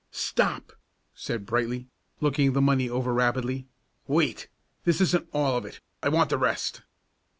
"Stop!" said Brightly, looking the money over rapidly. "Wait! This isn't all of it; I want the rest."